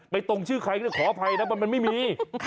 ไปตรงชื่อใครก็ได้ขออภัยแล้วมันไม่มี